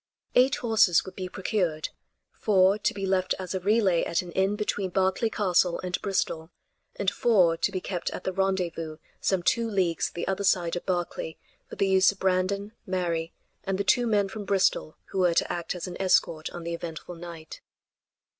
Eight horses would be procured; four to be left as a relay at an inn between Berkeley Castle and Bristol, and four to be kept at the rendezvous some two leagues the other side of Berkeley for the use of Brandon, Mary and the two men from Bristol who were to act as an escort on the eventful night.